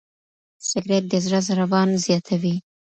سګریټ د زړه ضربان زیاتوي.